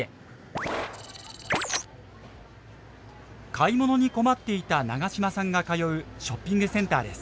買い物に困っていた永島さんが通うショッピングセンターです。